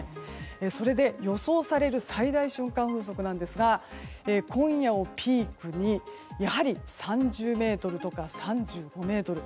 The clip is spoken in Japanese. それで予想される最大瞬間風速なんですが今夜をピークにやはり３０メートルとか３５メートル。